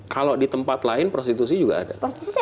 kalau di tempat lain prostitusi juga ada